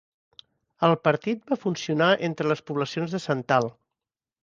El partit va funcionar entre les poblacions de Santhal.